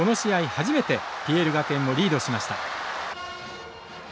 初めてＰＬ学園をリードしました。